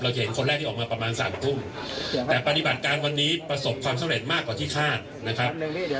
จะเห็นคนแรกที่ออกมาประมาณ๓ทุ่มแต่ปฏิบัติการวันนี้ประสบความสำเร็จมากกว่าที่คาดนะครับ